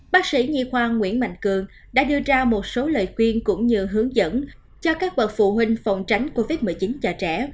bác sĩ nhi khoa nguyễn mạnh cường đã đưa ra một số lời khuyên cũng như hướng dẫn cho các bậc phụ huynh phòng tránh covid một mươi chín cho trẻ